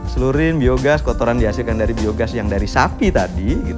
selurin biogas kotoran dihasilkan dari biogas yang dari sapi tadi